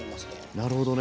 なるほどね。